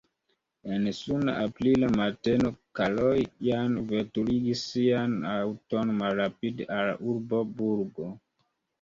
En suna aprila mateno Kalojan veturigis sian aŭton malrapide al urbo Burgo.